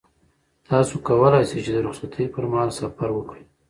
تاسو کولای شئ چې د رخصتۍ پر مهال سفر وکړئ.